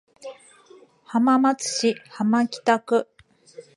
浜松市浜北区